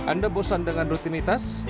anda bosan dengan rutinitas